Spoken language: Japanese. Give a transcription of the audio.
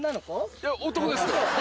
いや、男です。